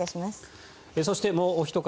そしてもうおひと方